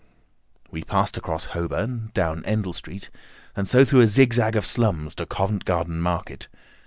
We passed across Holborn, down Endell Street, and so through a zigzag of slums to Covent Garden Market.